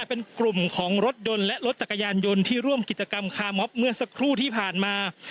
เป็นกลุ่มของรถยนต์และรถจักรยานยนต์ที่ร่วมกิจกรรมคาร์มอบเมื่อสักครู่ที่ผ่านมา